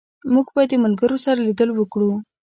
موږ به د ملګرو سره لیدل وکړو